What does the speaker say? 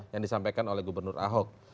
yang disampaikan oleh gubernur ahok